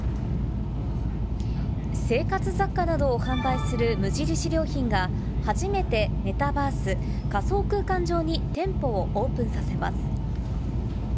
生活雑貨などを販売する無印良品が、初めてメタバース・仮想空間上に店舗をオープンさせます。